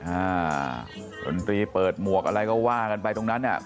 อ่าดนตรีเปิดหมวกอะไรก็ว่ากันไปตรงนั้นอ่ะ